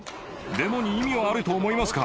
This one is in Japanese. デモに意味はあると思います